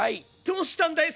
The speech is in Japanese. どうしたんだい